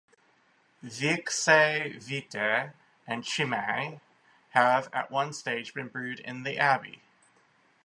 Wieckse Witte and Chimay have at one stage been brewed in the abbey.